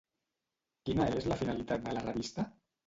Quina és la finalitat de la revista?